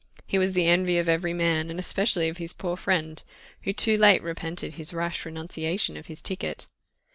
He was the envy of every man, and especially of his poor friend, who too late repented his rash renunciation of his ticket.